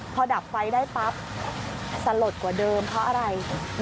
ตอนนี้แซมรถรสกวยลื่น